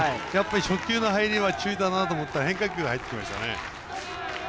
初球の入りは注意だなと思ったら変化球、入ってきましたね。